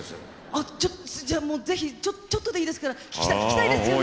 あっちょっとじゃあもう是非ちょっとでいいですから聴きたいですよね？